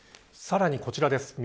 さらに、こちらです。